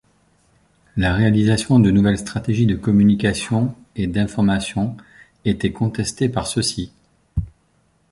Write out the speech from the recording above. La réalisation de nouvelles stratégies de communication et d'information était contestée par ceux-ci.